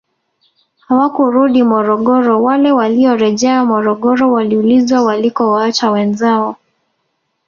Hawakurudi Morogoro wale waliorejea Morogoro waliulizwa walikowaacha wenzao